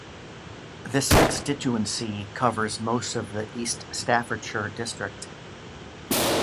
This constituency covers most of the East Staffordshire district.